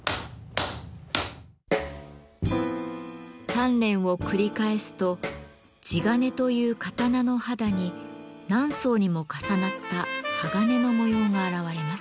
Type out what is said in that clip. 鍛錬を繰り返すと地鉄という刀の肌に何層にも重なった鋼の模様が現れます。